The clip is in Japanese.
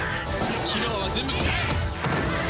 機能は全部使え！